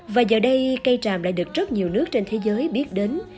và giờ đây cây tràm lại được rất nhiều nước trên thế giới biết đến